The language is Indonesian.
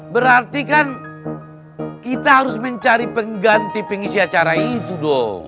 berarti kan kita harus mencari pengganti pengisi acara itu dong